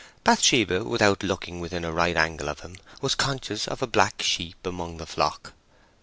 Bathsheba, without looking within a right angle of him, was conscious of a black sheep among the flock.